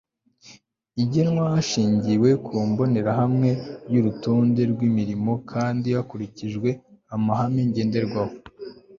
igenwa hashingiwe ku mbonerahamwe y'urutonde rw'imirimo kandi hakurikijwe amahame ngenderwaho